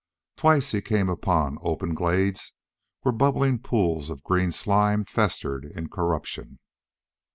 Twice he came upon open glades where bubbling pools of green slime festered in corruption.